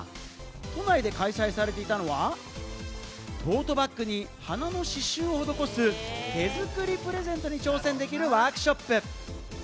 都内で開催されていたのは、トートバッグに花の刺繍を施す、手づくりプレゼントに挑戦できるワークショップ。